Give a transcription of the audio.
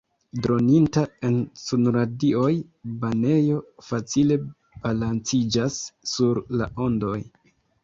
Droninta en sunradioj banejo facile balanciĝas sur la ondoj.